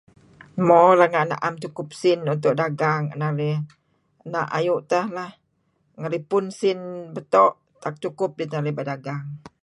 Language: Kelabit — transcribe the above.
Mo... renga' na'em sukup esin untuk dagang narih na' ayu' teh leh. Ngeripun 'sin beto'. Tak cukup kidih teh narih bedagang.